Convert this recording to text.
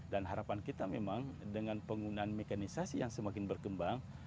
dan harapan kita memang dengan penggunaan mekanisasi yang semakin berkembang